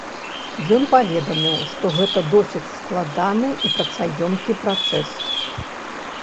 Ён паведаміў, што гэта досыць складаны і працаёмкі працэс.